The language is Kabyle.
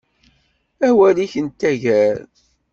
Awal-ik n taggar.